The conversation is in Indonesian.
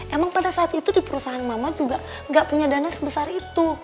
emang pada saat itu di perusahaan mama juga nggak punya dana sebesar itu